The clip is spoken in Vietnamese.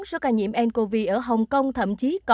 số ca nhiễm ncov ở hồng kông